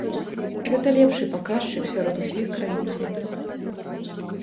Гэта лепшы паказчык сярод усіх краін свету.